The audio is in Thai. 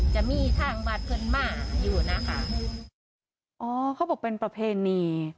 จะมีทางบัตรเพื่อนมาอยู่นะคะอ๋อเขาบอกเป็นประเพณี